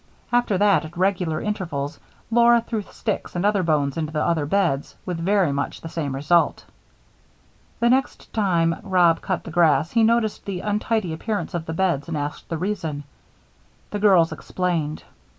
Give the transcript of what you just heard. After that at regular intervals, Laura threw sticks and other bones into the other beds with very much the same result. The next time Rob cut the grass he noticed the untidy appearance of the beds and asked the reason. The girls explained.